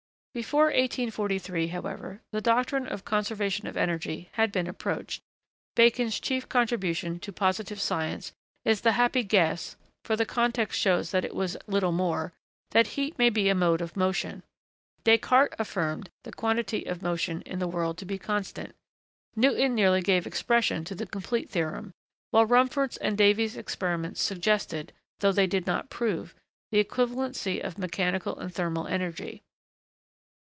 [Sidenote: Earlier approaches towards doctrine of conservation.] Before 1843, however, the doctrine of conservation of energy had been approached Bacon's chief contribution to positive science is the happy guess (for the context shows that it was little more) that heat may be a mode of motion; Descartes affirmed the quantity of motion in the world to be constant; Newton nearly gave expression to the complete theorem; while Rumford's and Davy's experiments suggested, though they did not prove, the equivalency of mechanical and thermal energy.